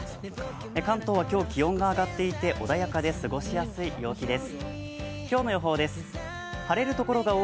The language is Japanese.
関東は今日、気温が上がっていて穏やかで過ごしやすい陽気です。